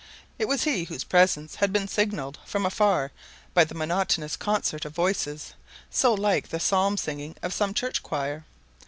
It was he whose presence had been signaled from afar by the monotonous concert of voices, so like the psalm singing of some church choir.